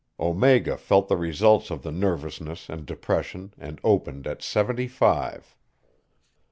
Omega felt the results of the nervousness and depression, and opened at seventy five.